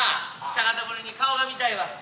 久方ぶりに顔が見たいわ。